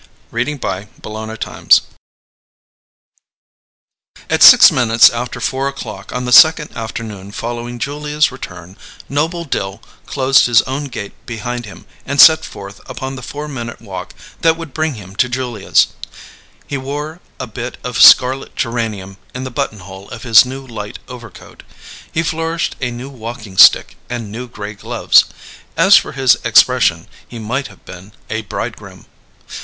CHAPTER TWENTY THREE At six minutes after four o'clock on the second afternoon following Julia's return, Noble Dill closed his own gate behind him and set forth upon the four minute walk that would bring him to Julia's. He wore a bit of scarlet geranium in the buttonhole of his new light overcoat; he flourished a new walking stick and new grey gloves. As for his expression, he might have been a bridegroom.